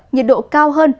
nhiệt độ cao hơn